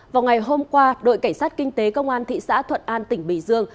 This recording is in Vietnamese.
vào ngày hôm qua đội cảnh sát kinh tế công an thị xã thuận an tỉnh bình dương